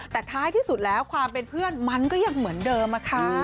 แต่ท้ายที่สุดแล้วความเป็นเพื่อนมันก็ยังเหมือนเดิมค่ะ